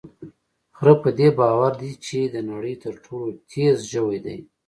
خره په دې باور دی چې د نړۍ تر ټولو تېز ژوی دی.